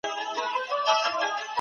هغه وويل چي مرسته کول ضروري دي.